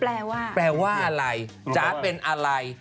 แปลว่าแปลว่าอะไรจ๋าเป็นอะไร